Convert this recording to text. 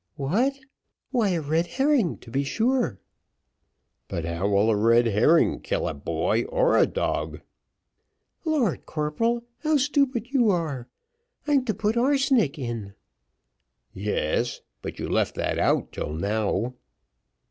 "What? why, a red herring to be sure." "But how will a red herring kill a body or a dog?" "Lord, corporal, how stupid you are; I'm to put arsenic in." "Yes; but you left that out till now."